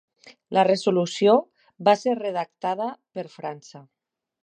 La resolució va ser redactada per França.